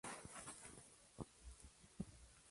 Edwin Tenorio ha protagonizado hechos anti-deportivos.